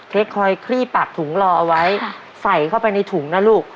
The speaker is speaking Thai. คอยคลี่ปากถุงรอเอาไว้ใส่เข้าไปในถุงนะลูก